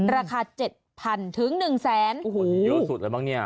ราคา๗๐๐๐๑๐๐๐๐๐บาทเยอะสุดเลยบ้างเนี่ย